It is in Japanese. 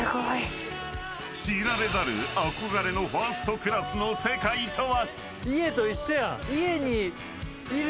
知られざる憧れのファーストクラスの世界とは？